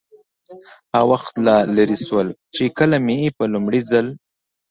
هغه وخت لا لرې شول، چې کله مې په لومړي ځل.